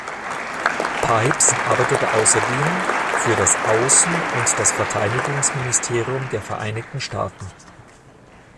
Pipes arbeitete außerdem für das Außen- und das Verteidigungsministerium der Vereinigten Staaten.